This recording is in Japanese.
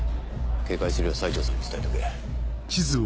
警戒するよう西城さんに伝えとけ。